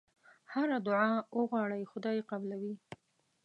هره دعا وغواړې خدای یې قبلوي.